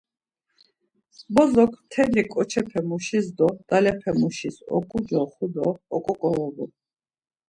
Bozok mteli ǩoçepe muşis do dalepemuşis oǩucoxi do oǩoǩorobu.